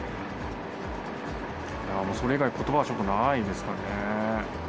それ以外ことばはちょっとないですかね。